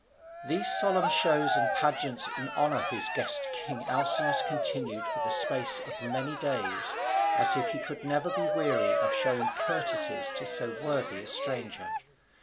These solemn shows and pageants in honour of his guest king Alcinous continued for the space of many days, as if he could never be weary of showing courtesies to so worthy a stranger.